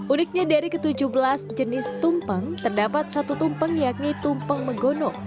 uniknya dari ke tujuh belas jenis tumpeng terdapat satu tumpeng yakni tumpeng megono